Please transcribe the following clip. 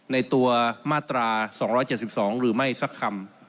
ในตัวมาตรา๒๗๒หรือไม่สักคำ